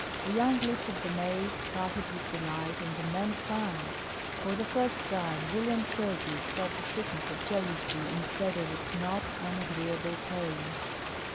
The young lips of the maids parted with delight and the men frowned. For the first time William Sturgis felt the sickness of jealousy instead of its not unagreeable pain.